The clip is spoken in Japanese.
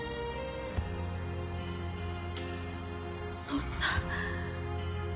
そんな。